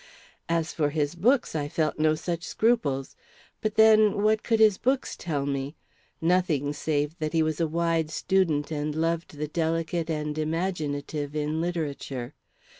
As for his books, I felt no such scruples. But then, what could his books tell me? Nothing, save that he was a wide student and loved the delicate and imaginative in literature.